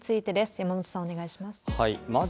山本さん、お願いします。